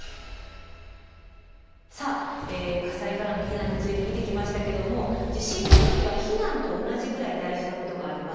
さあ火災からの避難について見てきましたけども地震の時は避難と同じくらい大事なことがあります。